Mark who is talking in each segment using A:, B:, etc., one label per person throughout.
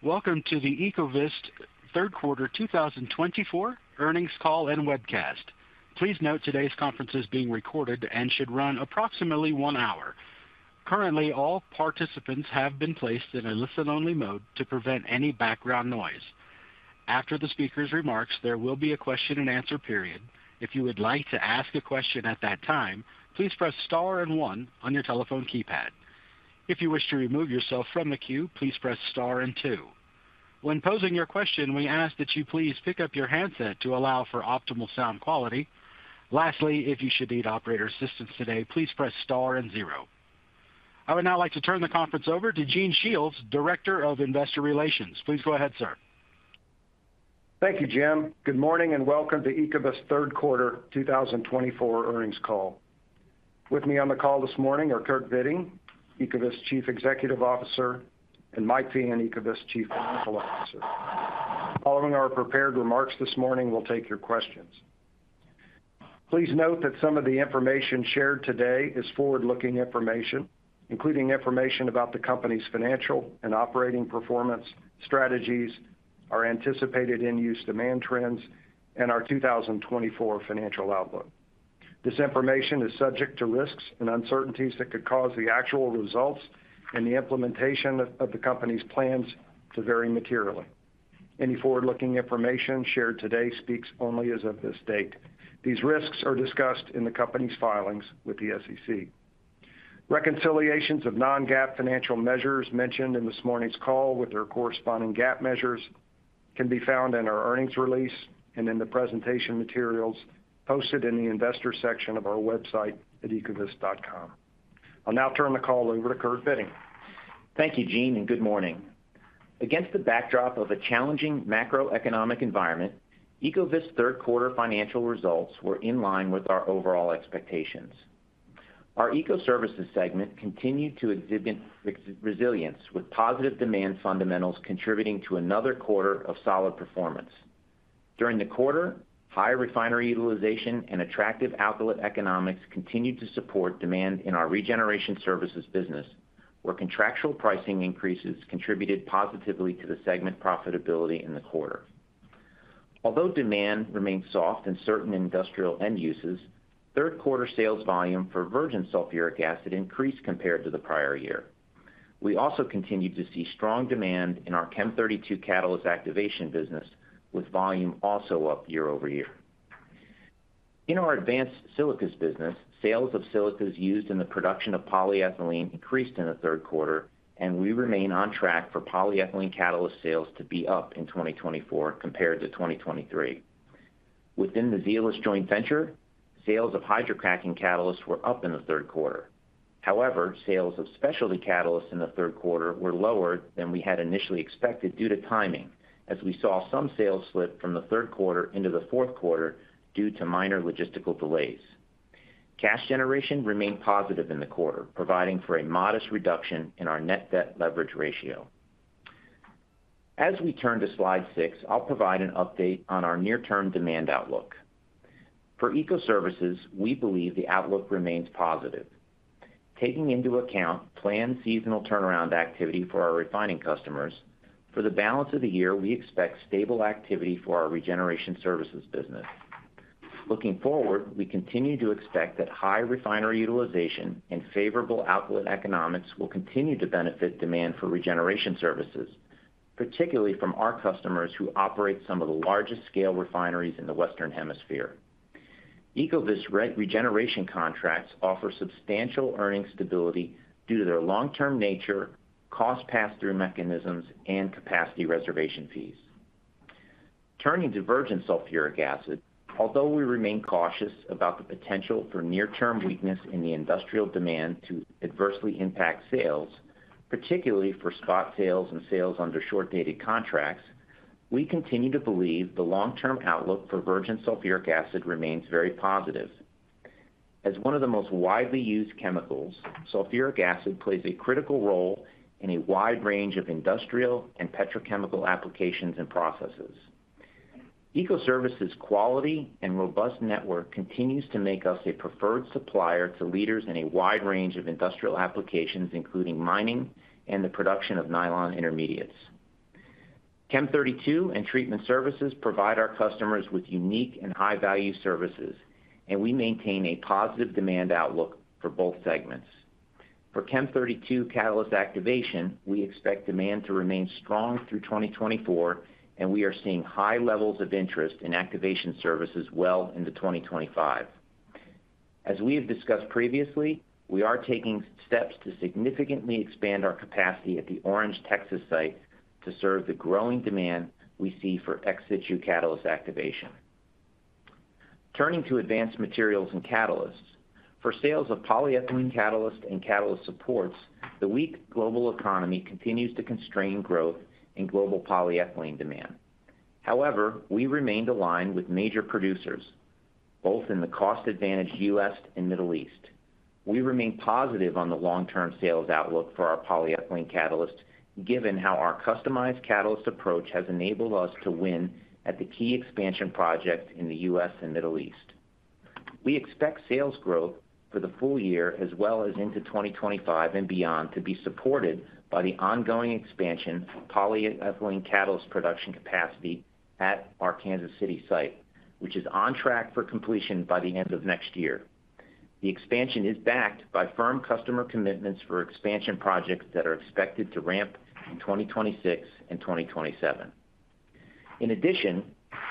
A: Welcome to the Ecovyst Q3 2024 Earnings Call and Webcast. Please note today's conference is being recorded and should run approximately one hour. Currently, all participants have been placed in a listen-only mode to prevent any background noise. After the speaker's remarks, there will be a question-and-answer period. If you would like to ask a question at that time, please press star and one on your telephone keypad. If you wish to remove yourself from the queue, please press star and two. When posing your question, we ask that you please pick up your handset to allow for optimal sound quality. Lastly, if you should need operator assistance today, please press star and zero. I would now like to turn the conference over to Gene Shiels, Director of Investor Relations. Please go ahead, sir.
B: Thank you, Jim. Good morning and welcome to Ecovyst Q3 2024 Earnings Call. With me on the call this morning are Kurt Bitting, Ecovyst Chief Executive Officer, and Mike Feehan, Ecovyst Chief Financial Officer. Following our prepared remarks this morning, we'll take your questions. Please note that some of the information shared today is forward-looking information, including information about the company's financial and operating performance, strategies, our anticipated end-use demand trends, and our 2024 financial outlook. This information is subject to risks and uncertainties that could cause the actual results and the implementation of the company's plans to vary materially. Any forward-looking information shared today speaks only as of this date. These risks are discussed in the company's filings with the SEC. Reconciliations of non-GAAP financial measures mentioned in this morning's call with their corresponding GAAP measures can be found in our earnings release and in the presentation materials posted in the investor section of our website at ecovyst.com. I'll now turn the call over to Kurt Bitting.
C: Thank you, Gene, and good morning. Against the backdrop of a challenging macroeconomic environment, Ecovyst's Q3 financial results were in line with our overall expectations. Our Ecoservices segment continued to exhibit resilience, with positive demand fundamentals contributing to another quarter of solid performance. During the quarter, high refinery utilization and attractive alkylate economics continued to support demand in our Regeneration Services business, where contractual pricing increases contributed positively to the segment profitability in the quarter. Although demand remained soft in certain industrial end uses, Q3 sales volume for virgin sulfuric acid increased compared to the prior year. We also continued to see strong demand in our Chem32 Catalyst Activation business, with volume also up year-over-year. In our Advanced Silicas business, sales of silicas used in the production of polyethylene increased in Q3, and we remain on track for polyethylene catalyst sales to be up in 2024 compared to 2023. Within the Zeolyst joint venture, sales of hydrocracking catalysts were up in Q3. However, sales of specialty catalysts in Q3 were lower than we had initially expected due to timing, as we saw some sales slip from Q3 into Q4 due to minor logistical delays. Cash generation remained positive in the quarter, providing for a modest reduction in our net debt leverage ratio. As we turn to slide 6, I'll provide an update on our near-term demand outlook. For Ecoservices, we believe the outlook remains positive. Taking into account planned seasonal turnaround activity for our refining customers, for the balance of the year, we expect stable activity for our Regeneration Services business. Looking forward, we continue to expect that high refinery utilization and favorable outlet economics will continue to benefit demand for Regeneration Services, particularly from our customers who operate some of the largest-scale refineries in the Western Hemisphere. Ecovyst's regeneration contracts offer substantial earnings stability due to their long-term nature, cost pass-through mechanisms, and capacity reservation fees. Turning to virgin sulfuric acid, although we remain cautious about the potential for near-term weakness in the industrial demand to adversely impact sales, particularly for spot sales and sales under short-dated contracts, we continue to believe the long-term outlook for virgin sulfuric acid remains very positive. As one of the most widely used chemicals, sulfuric acid plays a critical role in a wide range of industrial and petrochemical applications and processes. Ecoservices' quality and robust network continue to make us a preferred supplier to leaders in a wide range of industrial applications, including mining and the production of nylon intermediates. Chem32 and treatment services provide our customers with unique and high-value services, and we maintain a positive demand outlook for both segments. For Chem32 catalyst activation, we expect demand to remain strong through 2024, and we are seeing high levels of interest in activation services well into 2025. As we have discussed previously, we are taking steps to significantly expand our capacity at the Orange, Texas site to serve the growing demand we see for ex-situ catalyst activation. Turning to Advanced Materials and Catalysts, for sales of polyethylene catalysts and catalyst supports, the weak global economy continues to constrain growth in global polyethylene demand. However, we remain aligned with major producers, both in the cost-advantaged U.S. and Middle East. We remain positive on the long-term sales outlook for our polyethylene catalysts, given how our customized catalyst approach has enabled us to win at the key expansion projects in the U.S. and Middle East. We expect sales growth for the full year, as well as into 2025 and beyond, to be supported by the ongoing expansion of polyethylene catalyst production capacity at our Kansas City site, which is on track for completion by the end of next year. The expansion is backed by firm customer commitments for expansion projects that are expected to ramp in 2026 and 2027. In addition,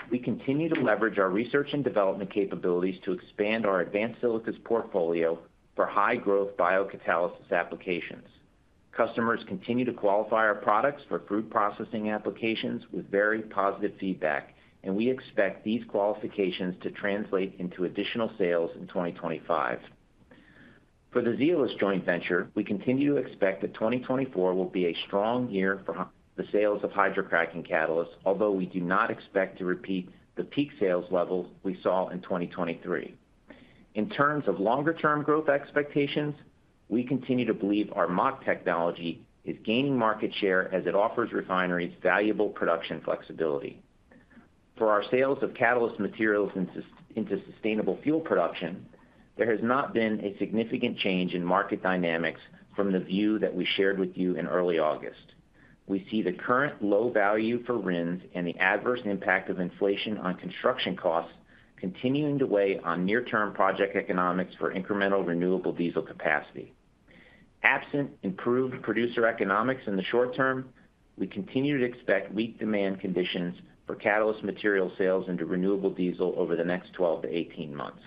C: we continue to leverage our research and development capabilities to expand our advanced silica portfolio for high-growth biocatalysis applications. Customers continue to qualify our products for food processing applications with very positive feedback, and we expect these qualifications to translate into additional sales in 2025. For the Zeolyst Joint Venture, we continue to expect that 2024 will be a strong year for the sales of hydrocracking catalysts, although we do not expect to repeat the peak sales levels we saw in 2023. In terms of longer-term growth expectations, we continue to believe our MACH technology is gaining market share as it offers refineries valuable production flexibility. For our sales of catalyst materials into sustainable fuel production, there has not been a significant change in market dynamics from the view that we shared with you in early August. We see the current low value for RINs and the adverse impact of inflation on construction costs continuing to weigh on near-term project economics for incremental renewable diesel capacity. Absent improved producer economics in the short term, we continue to expect weak demand conditions for catalyst material sales into renewable diesel over the next 12-18 months.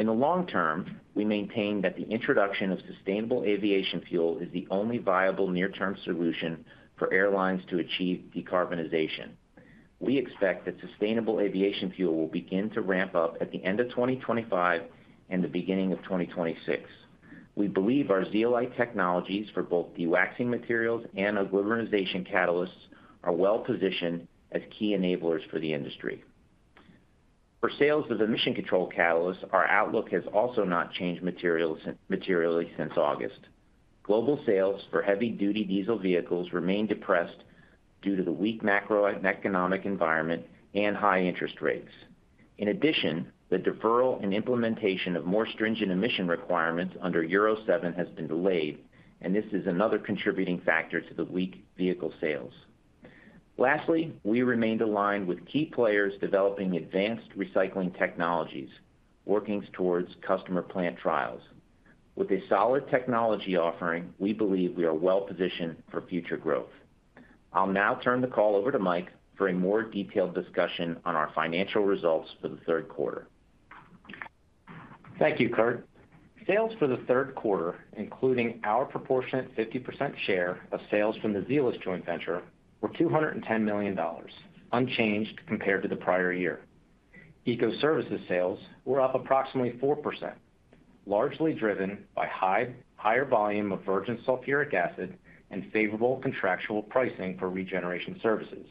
C: In the long term, we maintain that the introduction of sustainable aviation fuel is the only viable near-term solution for airlines to achieve decarbonization. We expect that sustainable aviation fuel will begin to ramp up at the end of 2025 and the beginning of 2026. We believe our zeolite technologies for both dewaxing materials and decarbonization catalysts are well-positioned as key enablers for the industry. For sales of emission-control catalysts, our outlook has also not changed materially since August. Global sales for heavy-duty diesel vehicles remain depressed due to the weak macroeconomic environment and high interest rates. In addition, the deferral and implementation of more stringent emission requirements under Euro 7 has been delayed, and this is another contributing factor to the weak vehicle sales. Lastly, we remain aligned with key players developing advanced recycling technologies, working towards customer plant trials. With a solid technology offering, we believe we are well-positioned for future growth. I'll now turn the call over to Mike for a more detailed discussion on our financial results for Q3.
D: Thank you, Kurt. Sales for Q3, including our proportionate 50% share of sales from the Zeolyst joint venture, were $210 million, unchanged compared to the prior year. Ecoservices sales were up approximately 4%, largely driven by higher volume of virgin sulfuric acid and favorable contractual pricing for Regeneration Services.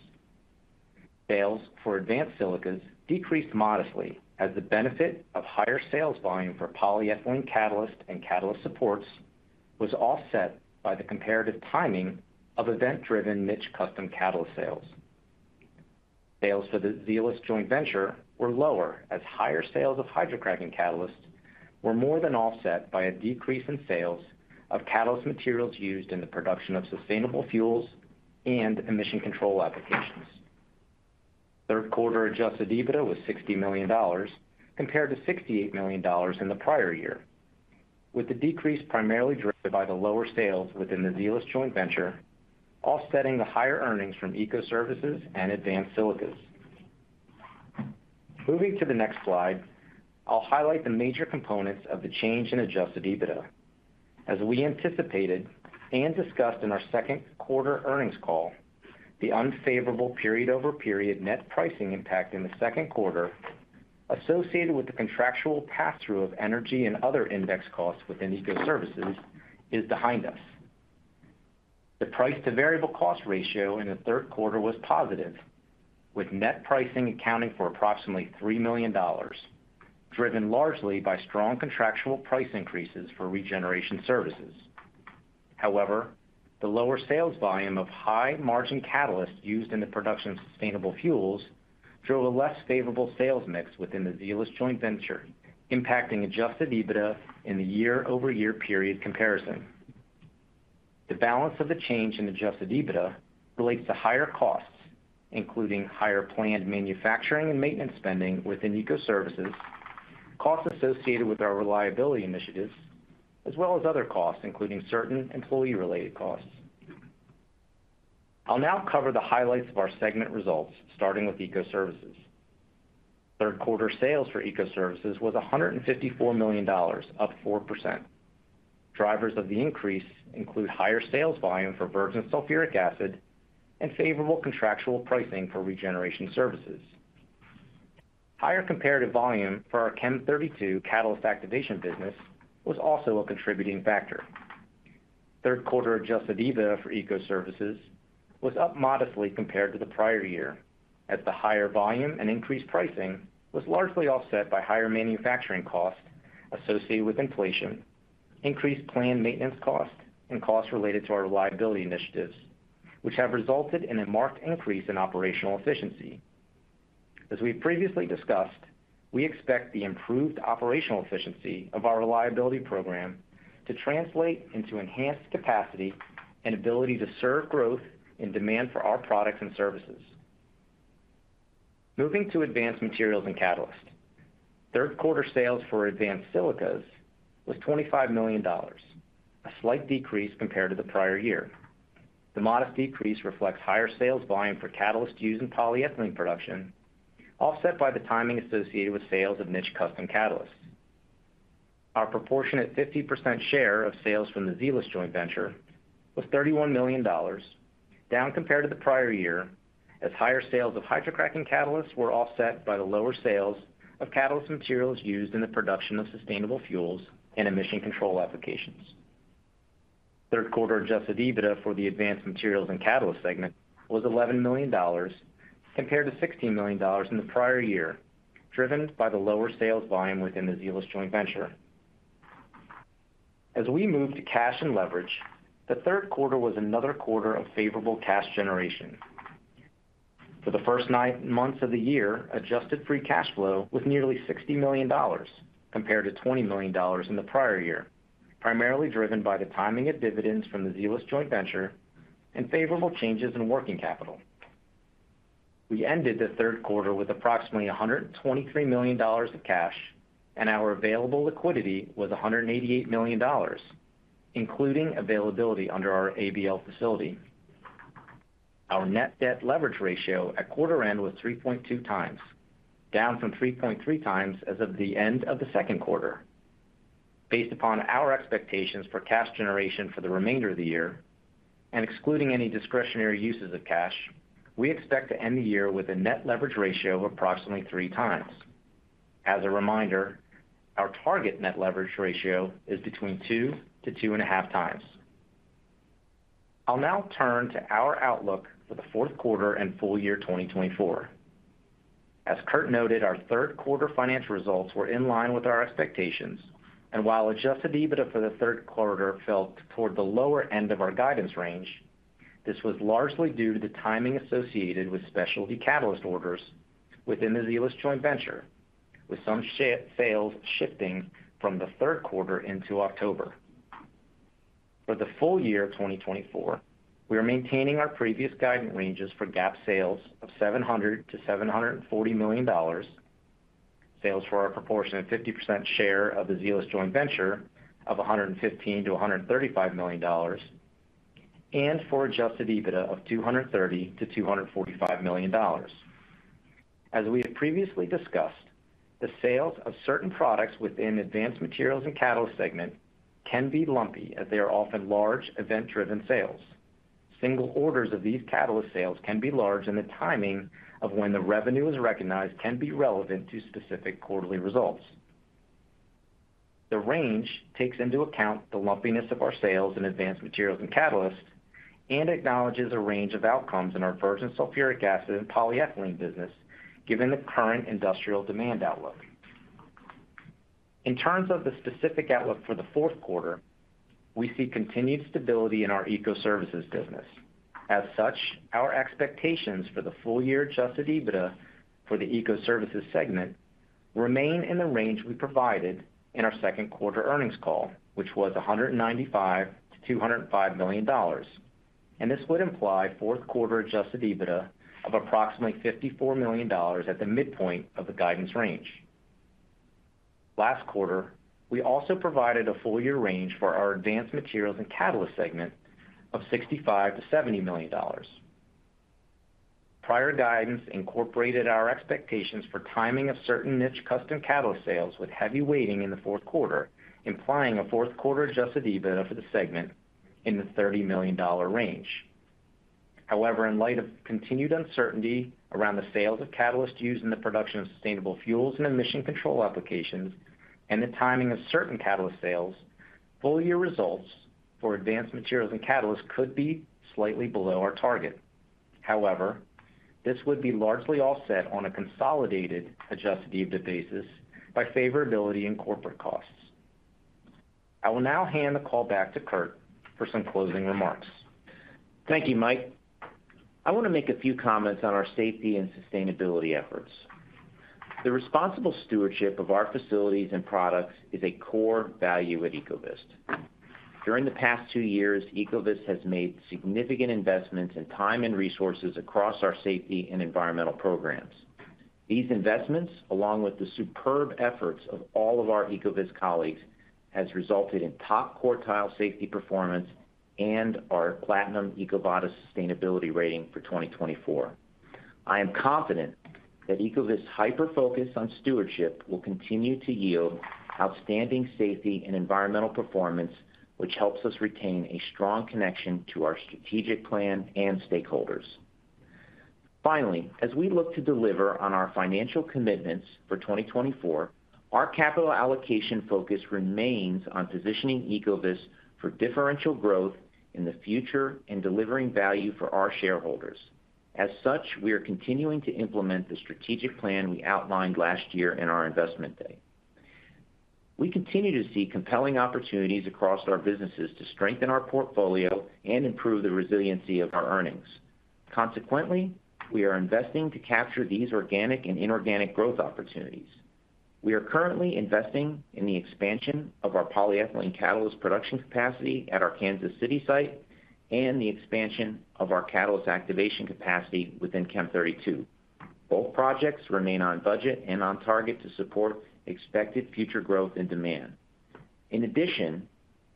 D: Sales for Advanced Silicas decreased modestly as the benefit of higher sales volume for polyethylene catalyst and catalyst supports was offset by the comparative timing of event-driven niche custom catalyst sales. Sales for the Zeolyst joint venture were lower as higher sales of hydrocracking catalysts were more than offset by a decrease in sales of catalyst materials used in the production of sustainable fuels and emission-control applications. Q3 adjusted EBITDA was $60 million compared to $68 million in the prior year, with the decrease primarily driven by the lower sales within the Zeolyst Joint Venture, offsetting the higher earnings from Ecoservices and Advanced Silicas. Moving to the next slide, I'll highlight the major components of the change in adjusted EBITDA. As we anticipated and discussed in our Q2 earnings call, the unfavorable period-over-period net pricing impact in Q2, associated with the contractual pass-through of energy and other index costs within Ecoservices, is behind us. The price-to-variable cost ratio in Q3 was positive, with net pricing accounting for approximately $3 million, driven largely by strong contractual price increases for Regeneration Services. However, the lower sales volume of high-margin catalysts used in the production of sustainable fuels drove a less favorable sales mix within the Zeolyst Joint Venture, impacting adjusted EBITDA in the year-over-year period comparison. The balance of the change in adjusted EBITDA relates to higher costs, including higher planned manufacturing and maintenance spending within Ecoservices, costs associated with our reliability initiatives, as well as other costs, including certain employee-related costs. I'll now cover the highlights of our segment results, starting with Ecoservices. Q3 sales for Ecoservices was $154 million, up 4%. Drivers of the increase include higher sales volume for virgin sulfuric acid and favorable contractual pricing for Regeneration Services. Higher comparative volume for our Chem32 Catalyst Activation business was also a contributing factor. Q3 adjusted EBITDA for Ecoservices was up modestly compared to the prior year, as the higher volume and increased pricing was largely offset by higher manufacturing costs associated with inflation, increased planned maintenance costs, and costs related to our reliability initiatives, which have resulted in a marked increase in operational efficiency. As we previously discussed, we expect the improved operational efficiency of our reliability program to translate into enhanced capacity and ability to serve growth in demand for our products and services. Moving to Advanced Materials and Catalysts, Q3 sales for Advanced Silicas was $25 million, a slight decrease compared to the prior year. The modest decrease reflects higher sales volume for catalyst use in polyethylene production, offset by the timing associated with sales of niche custom catalysts. Our proportionate 50% share of sales from the Zeolyst joint venture was $31 million, down compared to the prior year, as higher sales of hydrocracking catalysts were offset by the lower sales of catalyst materials used in the production of sustainable fuels and emission-control applications. Q3 Adjusted EBITDA for the Advanced Materials and Catalysts segment was $11 million compared to $16 million in the prior year, driven by the lower sales volume within the Zeolyst joint venture. As we move to cash and leverage, Q3 was another quarter of favorable cash generation. For the first nine months of the year, adjusted free cash flow was nearly $60 million compared to $20 million in the prior year, primarily driven by the timing of dividends from the Zeolyst joint venture and favorable changes in working capital. We ended Q3 with approximately $123 million of cash, and our available liquidity was $188 million, including availability under our ABL facility. Our net debt leverage ratio at quarter end was 3.2 times, down from 3.3 times as of the end of Q2. Based upon our expectations for cash generation for the remainder of the year, and excluding any discretionary uses of cash, we expect to end the year with a net leverage ratio of approximately three times. As a reminder, our target net leverage ratio is between 2-2.5 times. I'll now turn to our outlook for Q4 and full year 2024. As Kurt noted, our Q3 financial results were in line with our expectations, and while Adjusted EBITDA for Q3 fell toward the lower end of our guidance range, this was largely due to the timing associated with specialty catalyst orders within the Zeolyst joint venture, with some sales shifting from Q3 into October. For the full year 2024, we are maintaining our previous guidance ranges for GAAP sales of $700-$740 million, sales for our proportionate 50% share of the Zeolyst joint venture of $115-$135 million, and for adjusted EBITDA of $230-$245 million. As we have previously discussed, the sales of certain products within Advanced Materials and Catalysts segment can be lumpy, as they are often large event-driven sales. Single orders of these catalyst sales can be large, and the timing of when the revenue is recognized can be relevant to specific quarterly results. The range takes into account the lumpiness of our sales in Advanced Materials and Catalysts and acknowledges a range of outcomes in our virgin sulfuric acid and polyethylene business, given the current industrial demand outlook. In terms of the specific outlook for Q4, we see continued stability in our Ecoservices business. As such, our expectations for the full year Adjusted EBITDA for the Ecoservices segment remain in the range we provided in our Q2 earnings call, which was $195-$205 million, and this would imply Q4 Adjusted EBITDA of approximately $54 million at the midpoint of the guidance range. Last quarter, we also provided a full year range for our Advanced Materials and Catalysts segment of $65-$70 million. Prior guidance incorporated our expectations for timing of certain niche custom catalyst sales with heavy weighting in Q4, implying a Q4 Adjusted EBITDA for the segment in the $30 million range. However, in light of continued uncertainty around the sales of catalyst use in the production of sustainable fuels and emission-control applications and the timing of certain catalyst sales, full year results for Advanced Materials and Catalysts could be slightly below our target. However, this would be largely offset on a consolidated Adjusted EBITDA basis by favorability in corporate costs. I will now hand the call back to Kurt for some closing remarks.
C: Thank you, Mike. I want to make a few comments on our safety and sustainability efforts. The responsible stewardship of our facilities and products is a core value at Ecovyst. During the past two years, Ecovyst has made significant investments in time and resources across our safety and environmental programs. These investments, along with the superb efforts of all of our Ecovyst colleagues, have resulted in top quartile safety performance and our Platinum EcoVadis sustainability rating for 2024. I am confident that Ecovyst's hyper-focus on stewardship will continue to yield outstanding safety and environmental performance, which helps us retain a strong connection to our strategic plan and stakeholders. Finally, as we look to deliver on our financial commitments for 2024, our capital allocation focus remains on positioning Ecovyst for differential growth in the future and delivering value for our shareholders. As such, we are continuing to implement the strategic plan we outlined last year in our investment day. We continue to see compelling opportunities across our businesses to strengthen our portfolio and improve the resiliency of our earnings. Consequently, we are investing to capture these organic and inorganic growth opportunities. We are currently investing in the expansion of our polyethylene catalyst production capacity at our Kansas City site and the expansion of our catalyst activation capacity within Chem32. Both projects remain on budget and on target to support expected future growth and demand. In addition,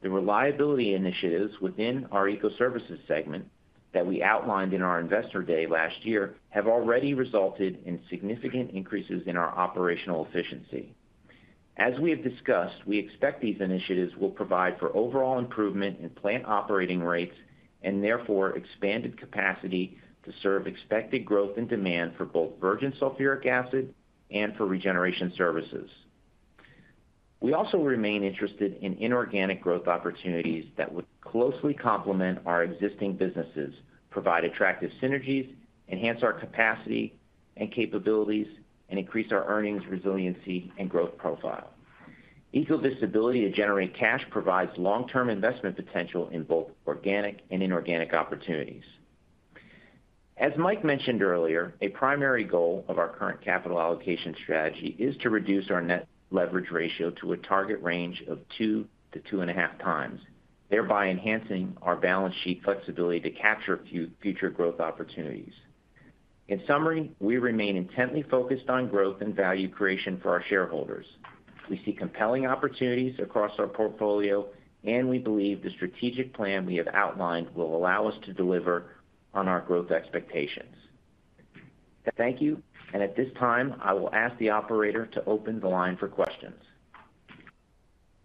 C: the reliability initiatives within our Ecoservices segment that we outlined in our investor day last year have already resulted in significant increases in our operational efficiency. As we have discussed, we expect these initiatives will provide for overall improvement in plant operating rates and therefore expanded capacity to serve expected growth and demand for both virgin sulfuric acid and for Regeneration Services. We also remain interested in inorganic growth opportunities that would closely complement our existing businesses, provide attractive synergies, enhance our capacity and capabilities, and increase our earnings resiliency and growth profile. Ecovyst's ability to generate cash provides long-term investment potential in both organic and inorganic opportunities. As Mike mentioned earlier, a primary goal of our current capital allocation strategy is to reduce our net leverage ratio to a target range of 2-2.5 times, thereby enhancing our balance sheet flexibility to capture future growth opportunities. In summary, we remain intently focused on growth and value creation for our shareholders. We see compelling opportunities across our portfolio, and we believe the strategic plan we have outlined will allow us to deliver on our growth expectations. Thank you, and at this time, I will ask the operator to open the line for questions.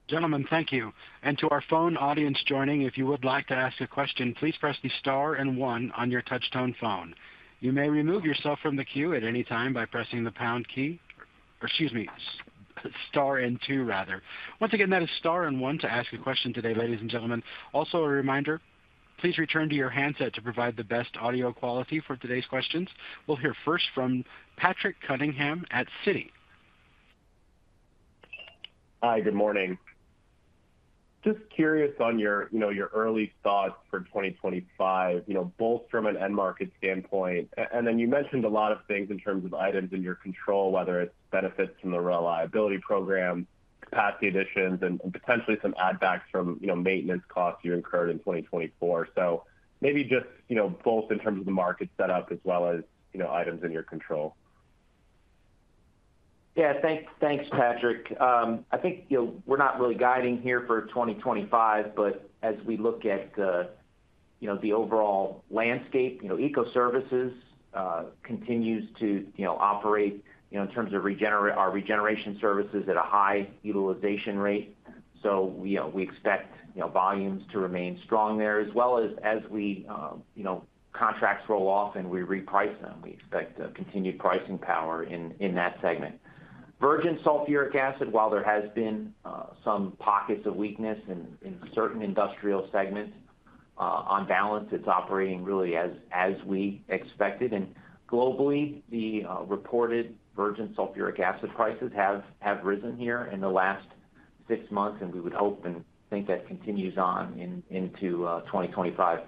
A: Gentlemen, thank you. And to our phone audience joining, if you would like to ask a question, please press the star and one on your touchtone phone. You may remove yourself from the queue at any time by pressing the pound key or, excuse me, star and two, rather. Once again, that is star and one to ask a question today, ladies and gentlemen. Also, a reminder, please return to your handset to provide the best audio quality for today's questions. We'll hear first from Patrick Cunningham at Citi. Hi, good morning.
E: Just curious on your early thoughts for 2025, both from an end market standpoint, and then you mentioned a lot of things in terms of items in your control, whether it's benefits from the reliability program, capacity additions, and potentially some add-backs from maintenance costs you incurred in 2024, so maybe just both in terms of the market setup as well as items in your control.
C: Yeah, thanks, Patrick. I think we're not really guiding here for 2025, but as we look at the overall landscape, Ecoservices continues to operate in terms of our Regeneration Services at a high utilization rate, so we expect volumes to remain strong there, as well as, as our contracts roll off and we reprice them, we expect continued pricing power in that segment. Virgin sulfuric acid, while there have been some pockets of weakness in certain industrial segments, on balance, it's operating really as we expected. And globally, the reported virgin sulfuric acid prices have risen here in the last six months, and we would hope and think that continues on into 2025.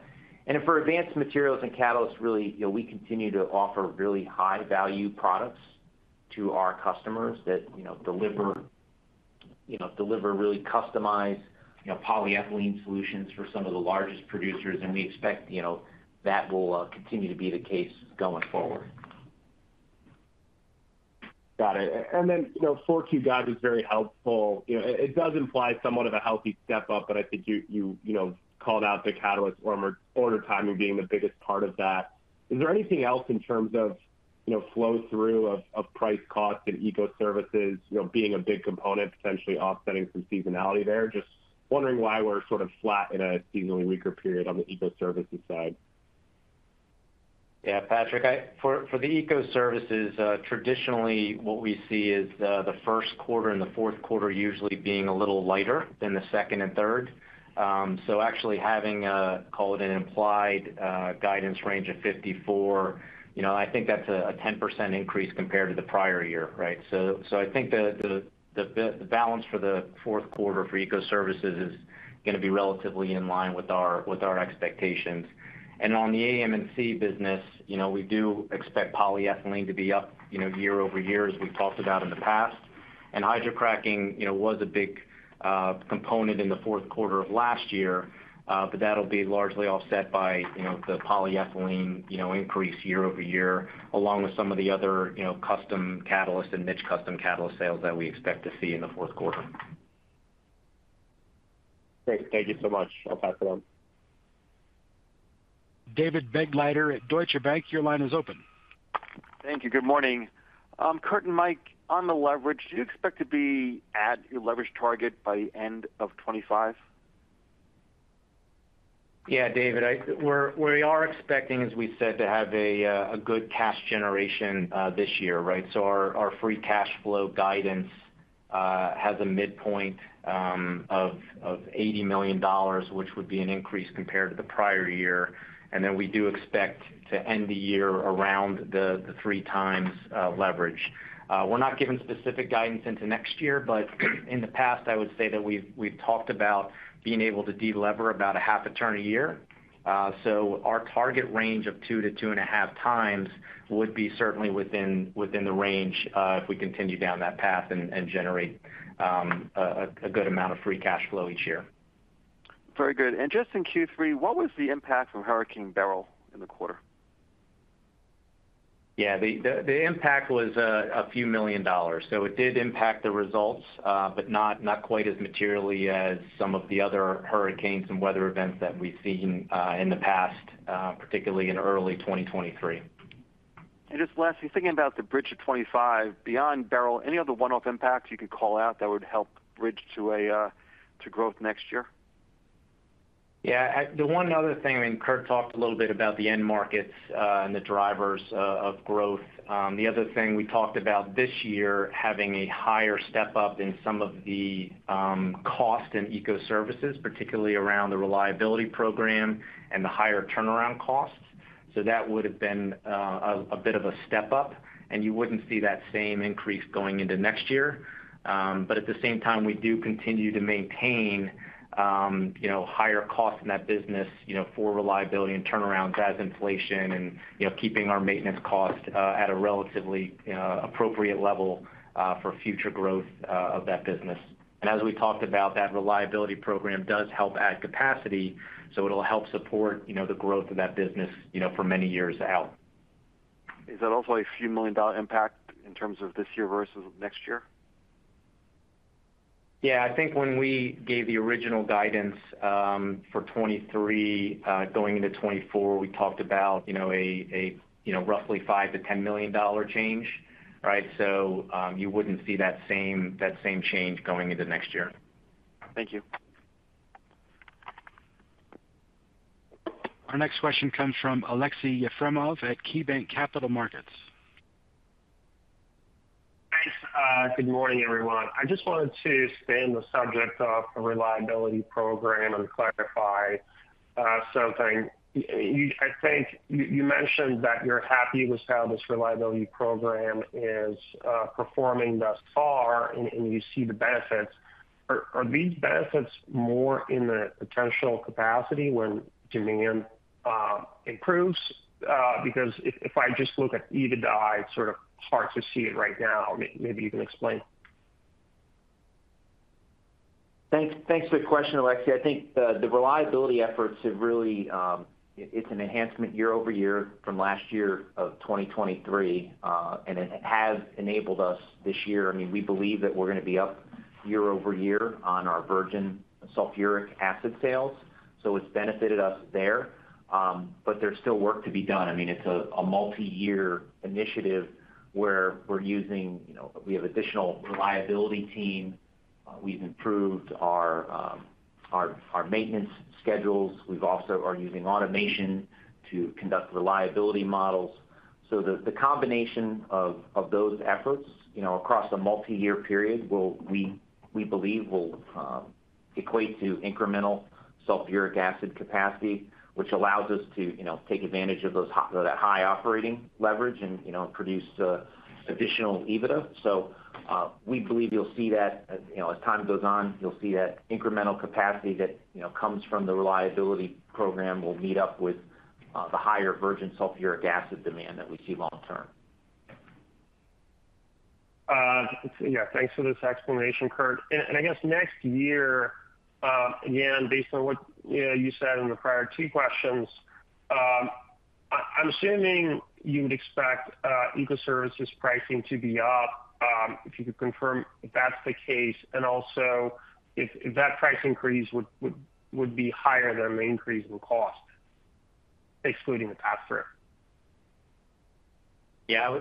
C: And for Advanced Materials and Catalysts, really, we continue to offer really high-value products to our customers that deliver really customized polyethylene solutions for some of the largest producers, and we expect that will continue to be the case going forward.
E: Got it. And then for Q2 is very helpful. It does imply somewhat of a healthy step up, but I think you called out the catalyst order timing being the biggest part of that. Is there anything else in terms of flow-through of price costs and Ecoservices being a big component, potentially offsetting some seasonality there? Just wondering why we're sort of flat in a seasonally weaker period on the Ecoservices side.
C: Yeah, Patrick, for the Ecoservices, traditionally, what we see is the first quarter and the fourth quarter usually being a little lighter than the second and third. So actually having, call it an implied guidance range of 54, I think that's a 10% increase compared to the prior year, right? So I think the balance for the fourth quarter for Ecoservices is going to be relatively in line with our expectations. And on the AM&C business, we do expect polyethylene to be up year-over-year, as we've talked about in the past. Hydrocracking was a big component in the fourth quarter of last year, but that'll be largely offset by the polyethylene increase year-over-year, along with some of the other custom catalysts and niche custom catalyst sales that we expect to see in the fourth quarter.
E: Thank you so much. I'll pass it on.
A: David Begleiter at Deutsche Bank. Your line is open.
F: Thank you. Good morning. Kurt and Mike, on the leverage, do you expect to be at your leverage target by the end of 2025?
D: Yeah, David, we are expecting, as we said, to have a good cash generation this year, right? So our free cash flow guidance has a midpoint of $80 million, which would be an increase compared to the prior year. And then we do expect to end the year around the three times leverage. We're not given specific guidance into next year, but in the past, I would say that we've talked about being able to delever about half a turn a year. So our target range of 2-2.5 times would be certainly within the range if we continue down that path and generate a good amount of free cash flow each year.
F: Very good. And just in Q3, what was the impact from Hurricane Beryl in the quarter?
D: Yeah, the impact was a few million dollars. So it did impact the results, but not quite as materially as some of the other hurricanes and weather events that we've seen in the past, particularly in early 2023.
F: And just lastly, thinking about the bridge to 2025, beyond Beryl, any other one-off impacts you could call out that would help bridge to growth next year?
D: Yeah, the one other thing, I mean, Kurt talked a little bit about the end markets and the drivers of growth. The other thing we talked about this year having a higher step up in some of the cost in Ecoservices, particularly around the reliability program and the higher turnaround costs. So that would have been a bit of a step up, and you wouldn't see that same increase going into next year. But at the same time, we do continue to maintain higher costs in that business for reliability and turnarounds as inflation and keeping our maintenance cost at a relatively appropriate level for future growth of that business. And as we talked about, that reliability program does help add capacity, so it'll help support the growth of that business for many years out.
F: Is that also a few million-dollar impact in terms of this year versus next year?
D: Yeah, I think when we gave the original guidance for 2023 going into 2024, we talked about a roughly $5-$10 million change, right? So you wouldn't see that same change going into next year.
F: Thank you.
A: Our next question comes from Aleksey Yefremov at KeyBanc Capital Markets.
G: Thanks. Good morning, everyone. I just wanted to stay on the subject of the reliability program and clarify something. I think you mentioned that you're happy with how this reliability program is performing thus far, and you see the benefits. Are these benefits more in the potential capacity when demand improves? Because if I just look at EBITDA, it's sort of hard to see it right now. Maybe you can explain.
C: Thanks for the question, Aleksey. I think the reliability efforts have really, it's an enhancement year-over-year from last year of 2023, and it has enabled us this year. I mean, we believe that we're going to be up year-over-year on our virgin sulfuric acid sales, so it's benefited us there. But there's still work to be done. I mean, it's a multi-year initiative where we're using, we have an additional reliability team. We've improved our maintenance schedules. We also are using automation to conduct reliability models. So the combination of those efforts across a multi-year period, we believe, will equate to incremental sulfuric acid capacity, which allows us to take advantage of that high operating leverage and produce additional EBITDA. So we believe you'll see that as time goes on, you'll see that incremental capacity that comes from the reliability program will meet up with the higher virgin sulfuric acid demand that we see long term.
G: Yeah, thanks for this explanation, Kurt. And I guess next year, again, based on what you said in the prior two questions, I'm assuming you would expect Ecoservices pricing to be up. If you could confirm if that's the case, and also if that price increase would be higher than the increase in cost, excluding the pass-through.
C: Yeah,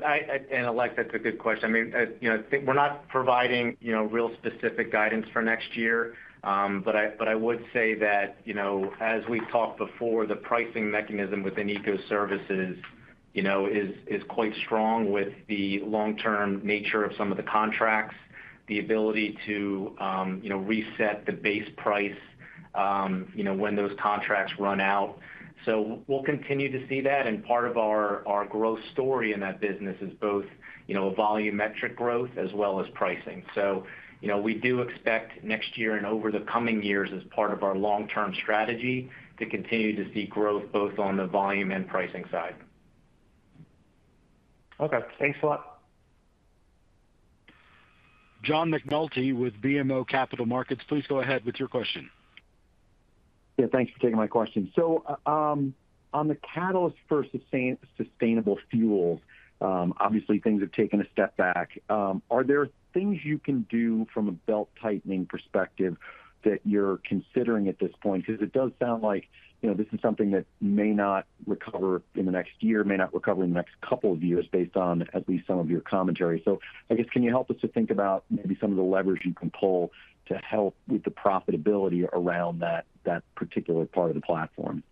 C: and Alexei, that's a good question. I mean, we're not providing real specific guidance for next year, but I would say that as we've talked before, the pricing mechanism within Ecoservices is quite strong with the long-term nature of some of the contracts, the ability to reset the base price when those contracts run out. So we'll continue to see that. And part of our growth story in that business is both volumetric growth as well as pricing. So we do expect next year and over the coming years as part of our long-term strategy to continue to see growth both on the volume and pricing side.
G: Okay, thanks a lot.
A: John McNulty with BMO Capital Markets. Please go ahead with your question.
H: Yeah, thanks for taking my question. So on the catalyst for sustainable fuels, obviously, things have taken a step back. Are there things you can do from a belt-tightening perspective that you're considering at this point? Because it does sound like this is something that may not recover in the next year, may not recover in the next couple of years based on at least some of your commentary. So I guess, can you help us to think about maybe some of the levers you can pull to help with the profitability around that particular part of the platform?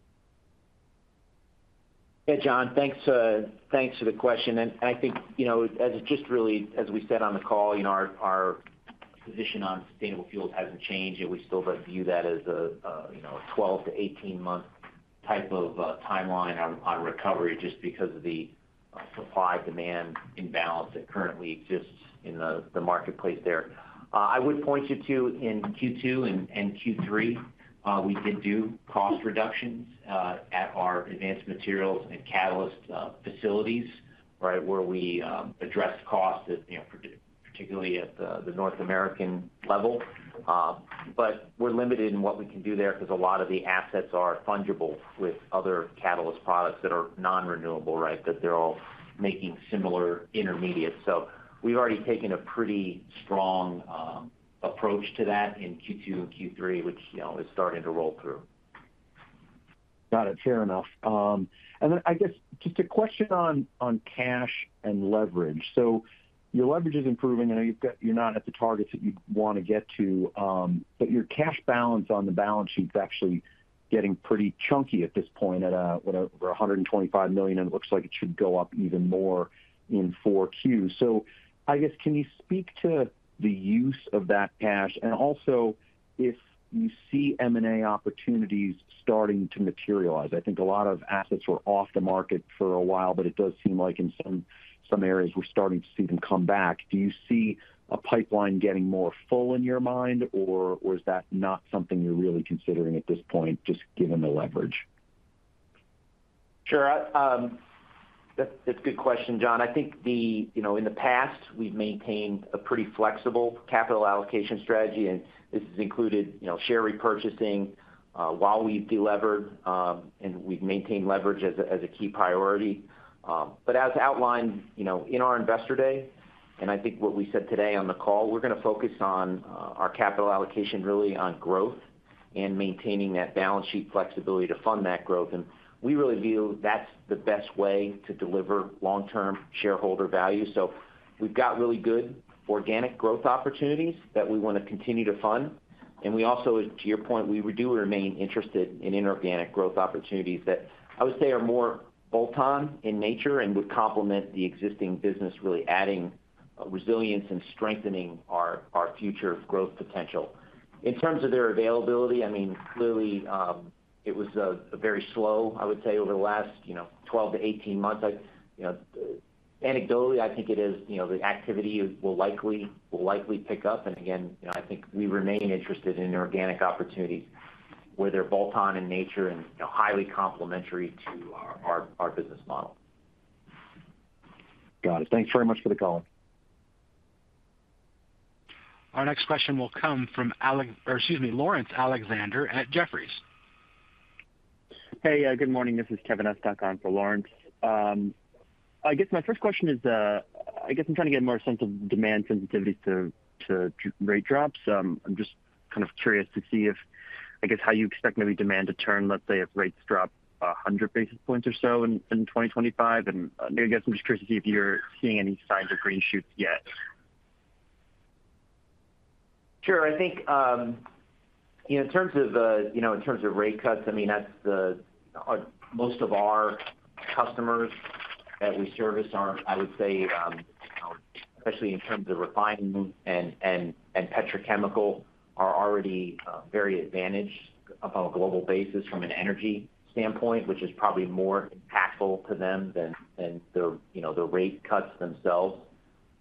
D: Yeah, John, thanks for the question. And I think, as it just really, as we said on the call, our position on sustainable fuels hasn't changed, and we still view that as a 12-18-month type of timeline on recovery just because of the supply-demand imbalance that currently exists in the marketplace there. I would point you to, in Q2 and Q3, we did do cost reductions at our advanced materials and catalyst facilities, right, where we addressed costs, particularly at the North American level. But we're limited in what we can do there because a lot of the assets are fungible with other catalyst products that are non-renewable, right, that they're all making similar intermediates. We've already taken a pretty strong approach to that in Q2 and Q3, which is starting to roll through.
H: Got it. Fair enough. And then I guess just a question on cash and leverage. So your leverage is improving. I know you're not at the targets that you'd want to get to, but your cash balance on the balance sheet is actually getting pretty chunky at this point at over $125 million, and it looks like it should go up even more in 4Q. So I guess, can you speak to the use of that cash? And also, if you see M&A opportunities starting to materialize? I think a lot of assets were off the market for a while, but it does seem like in some areas we're starting to see them come back. Do you see a pipeline getting more full in your mind, or is that not something you're really considering at this point, just given the leverage?
C: Sure. That's a good question, John. I think in the past, we've maintained a pretty flexible capital allocation strategy, and this has included share repurchasing while we've delivered, and we've maintained leverage as a key priority. But as outlined in our investor day, and I think what we said today on the call, we're going to focus on our capital allocation really on growth and maintaining that balance sheet flexibility to fund that growth. And we really view that's the best way to deliver long-term shareholder value. So we've got really good organic growth opportunities that we want to continue to fund. And we also, to your point, we do remain interested in inorganic growth opportunities that I would say are more bolt-on in nature and would complement the existing business, really adding resilience and strengthening our future growth potential. In terms of their availability, I mean, clearly, it was very slow, I would say, over the last 12-18 months. Anecdotally, I think it is the activity will likely pick up. And again, I think we remain interested in organic opportunities where they're bolt-on in nature and highly complementary to our business model.
H: Got it. Thanks very much for the call.
A: Our next question will come from Alex, or excuse me, Laurence Alexander at Jefferies.
I: Hey, good morning. This is Kevin Estok for Laurence. I guess my first question is, I guess I'm trying to get more sense of demand sensitivity to rate drops. I'm just kind of curious to see if, I guess, how you expect maybe demand to turn, let's say, if rates drop 100 basis points or so in 2025? And I guess I'm just curious to see if you're seeing any signs of green shoots yet.
D: Sure. I think in terms of rate cuts, I mean, most of our customers that we service are, I would say, especially in terms of refining and petrochemical, already very advantaged on a global basis from an energy standpoint, which is probably more impactful to them than the rate cuts themselves.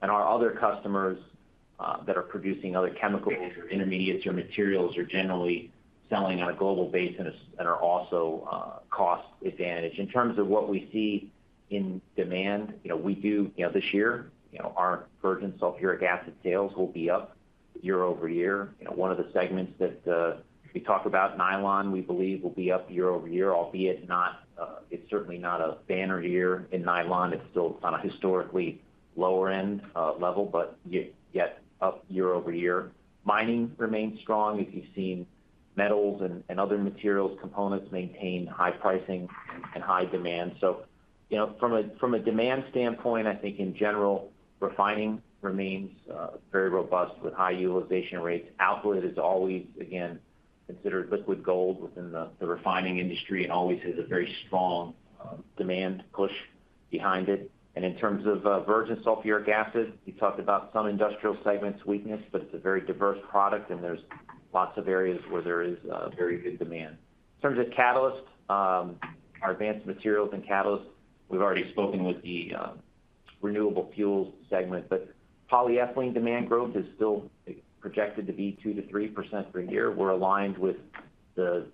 D: And our other customers that are producing other chemicals, intermediates, or materials are generally selling on a global basis and are also cost-advantaged. In terms of what we see in demand, we do this year, our virgin sulfuric acid sales will be up year-over-year. One of the segments that we talk about, nylon, we believe will be up year-over-year, albeit it's certainly not a banner year in nylon. It's still on a historically lower-end level, but yet up year-over year. Mining remains strong. You've seen metals and other materials components maintain high pricing and high demand. So from a demand standpoint, I think in general, refining remains very robust with high utilization rates. Alkylate is always, again, considered liquid gold within the refining industry and always has a very strong demand push behind it. And in terms of virgin sulfuric acid, we talked about some industrial segments' weakness, but it's a very diverse product, and there's lots of areas where there is very good demand. In terms of catalyst, our Advanced Materials and Catalysts, we've already spoken with the renewable fuels segment, but polyethylene demand growth is still projected to be 2%-3% per year. We're aligned with the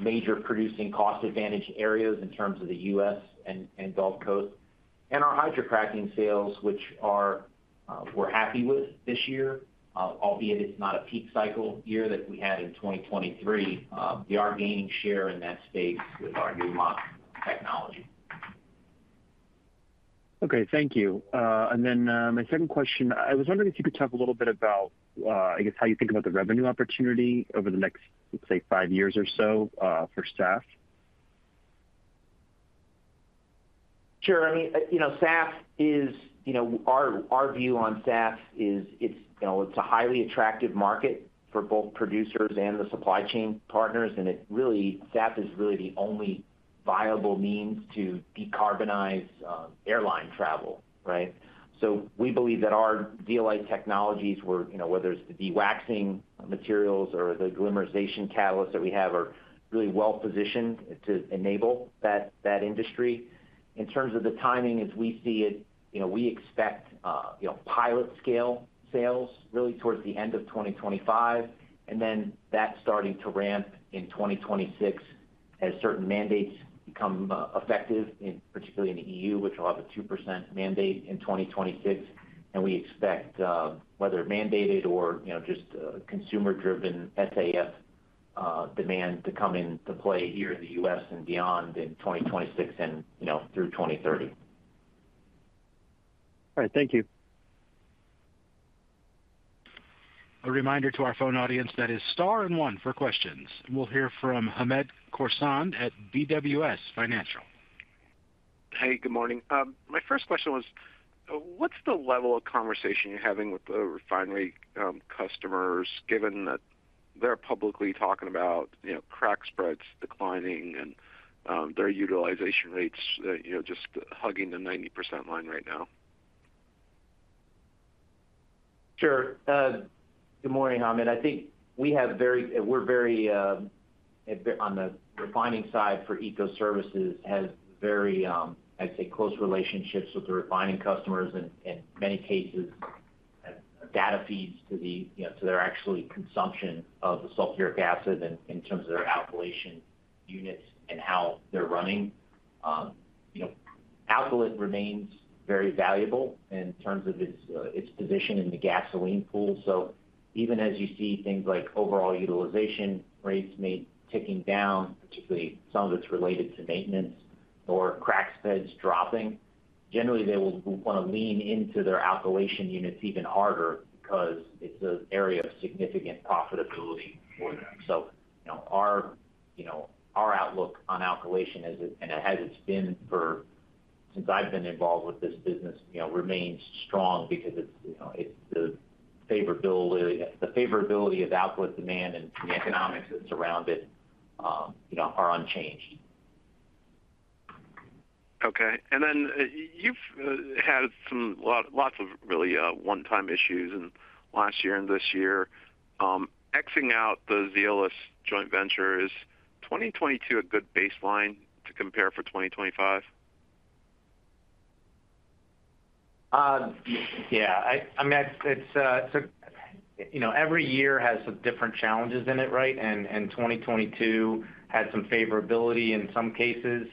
D: major producing cost-advantage areas in terms of the U.S. and Gulf Coast. And our hydrocracking sales, which we're happy with this year, albeit it's not a peak cycle year that we had in 2023, we are gaining share in that space with our new Zeolyst technology.
I: Okay, thank you. And then my second question, I was wondering if you could talk a little bit about, I guess, how you think about the revenue opportunity over the next, let's say, five years or so for SAF.
C: Sure. I mean, our view on SAF is it's a highly attractive market for both producers and the supply chain partners.
D: And SAF is really the only viable means to decarbonize airline travel, right? So we believe that our zeolite technologies, whether it's the dewaxing materials or the agglomeration catalyst that we have, are really well positioned to enable that industry. In terms of the timing, as we see it, we expect pilot scale sales really towards the end of 2025, and then that starting to ramp in 2026 as certain mandates become effective, particularly in the EU, which will have a 2% mandate in 2026. And we expect, whether mandated or just consumer-driven SAF demand to come into play here in the U.S. and beyond in 2026 and through 2030.
I: All right, thank you.
A: A reminder to our phone audience that is star and one for questions. We'll hear from Hamed Khorsand at BWS Financial.
J: Hey, good morning. My first question was, what's the level of conversation you're having with the refinery customers given that they're publicly talking about crack spreads declining and their utilization rates just hugging the 90% line right now?
D: Sure. Good morning, Hamed. I think we're very on the refining side for Ecoservices has very, I'd say, close relationships with the refining customers and, in many cases, data feeds to their actual consumption of the sulfuric acid in terms of their alkylation units and how they're running. Alkylate remains very valuable in terms of its position in the gasoline pool. So even as you see things like overall utilization rates may be ticking down, particularly some of it's related to maintenance or crack spreads dropping, generally, they will want to lean into their alkylation units even harder because it's an area of significant profitability for them. So our outlook on alkylation, and it has been for since I've been involved with this business, remains strong because it's the favorability of alkylate demand and the economics that surround it are unchanged.
J: Okay. And then you've had lots of really one-time issues last year and this year. Exiting out the Zeolyst joint venture, is 2022 a good baseline to compare for 2025?
D: Yeah. I mean, every year has different challenges in it, right? And 2022 had some favorability in some cases,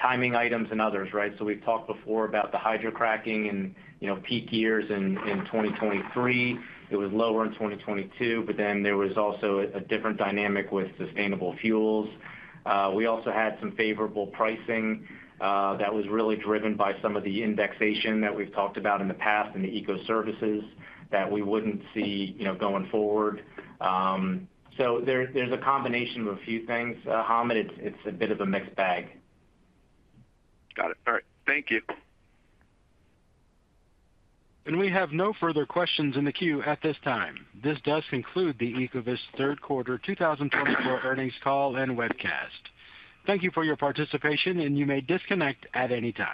D: timing items in others, right? So we've talked before about the hydrocracking and peak years in 2023. It was lower in 2022, but then there was also a different dynamic with sustainable fuels. We also had some favorable pricing that was really driven by some of the indexation that we've talked about in the past in the ecoservices that we wouldn't see going forward. So there's a combination of a few things, Hamed. It's a bit of a mixed bag.
J: Got it. All right. Thank you.
A: And we have no further questions in the queue at this time. This does conclude the Ecovyst Third Quarter 2024 earnings call and webcast. Thank you for your participation, and you may disconnect at any time.